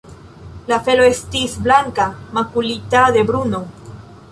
La felo estis blanka, makulita de bruno.